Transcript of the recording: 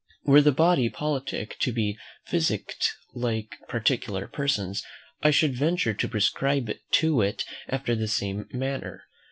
Were the body politic to be physicked like particular persons, I should venture to prescribe to it after the same manner.